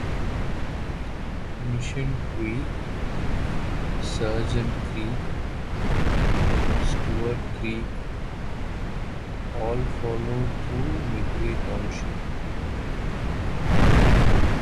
Mission Creek, Sargent Creek, and Stewart Creek, all flow through Midway Township.